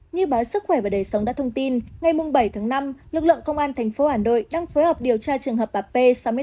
như báo sức khỏe và đầy sống đã thông tin ngày bảy tháng năm lực lượng công an thành phố hà nội đang phối hợp điều tra trường hợp bà p sáu mươi tám tuổi